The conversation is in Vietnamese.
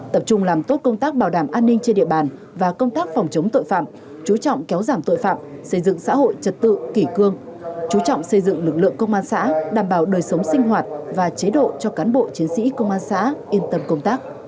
tập trung làm tốt công tác bảo đảm an ninh trên địa bàn và công tác phòng chống tội phạm chú trọng kéo giảm tội phạm xây dựng xã hội trật tự kỷ cương chú trọng xây dựng lực lượng công an xã đảm bảo đời sống sinh hoạt và chế độ cho cán bộ chiến sĩ công an xã yên tâm công tác